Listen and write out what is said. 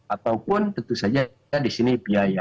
ataupun tentu saja di sini biaya